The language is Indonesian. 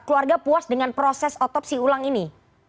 keluarga puas dengan proses otopsi ulang ini